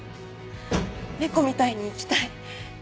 猫みたいに生きたい。